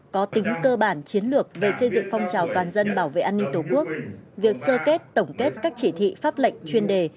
có tính cơ bản chiến lược về xây dựng phong trào toàn dân bảo vệ an ninh tổ quốc việc sơ kết tổng kết các chỉ thị pháp lệnh chuyên đề